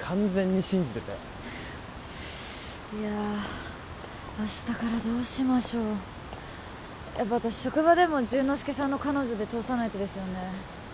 完全に信じてたよいや明日からどうしましょうやっぱ私職場でも潤之介さんの彼女で通さないとですよね